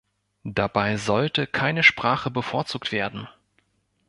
Dabei sollte keine Sprache bevorzugt werden.